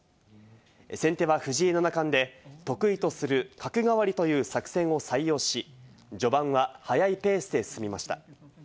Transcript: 先手は藤井七冠で、得意とする角換わりという作戦を採用し、序盤は早いペースで進みました。